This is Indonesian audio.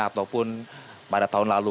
ataupun pada tahun lalu